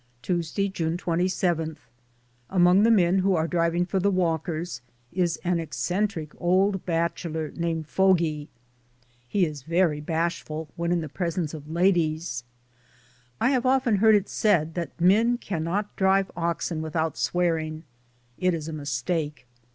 Tuesday, June 27. Among the men who are driving for the Walkers is an eccentric old bachelor named DAYS ON THE ROAD. 113 Fogy; he is very bashful when in the pres ence of ladies. I have often heard it said that men cannot drive oxen without swear ing; it is a mistake.